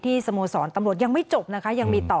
สโมสรตำรวจยังไม่จบนะคะยังมีต่อ